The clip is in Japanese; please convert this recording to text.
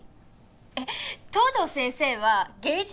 えっ藤堂先生は芸術家ですか？